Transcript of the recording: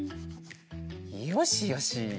よしよし。